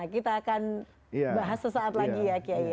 kita akan bahas sesaat lagi ya ki yai